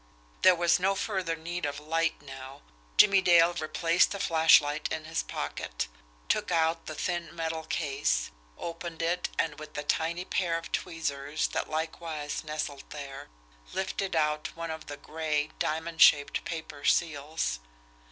There was no further need of light now. Jimmie Dale replaced the flashlight in his pocket, took out the thin, metal case, opened it, and with the tiny pair of tweezers that likewise nestled there, lifted out one of the gray, diamond shaped paper seals.